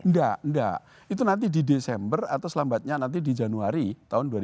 enggak enggak itu nanti di desember atau selambatnya nanti di januari tahun dua ribu dua puluh